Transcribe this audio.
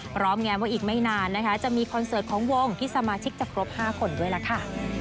แงมว่าอีกไม่นานนะคะจะมีคอนเสิร์ตของวงที่สมาชิกจะครบ๕คนด้วยล่ะค่ะ